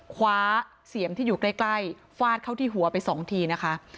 คว้าเสียมที่อยู่ใกล้ฟาดเข้าที่หัวไปสองทีนะคะ